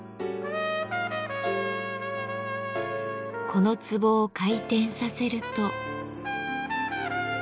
この壺を回転させると。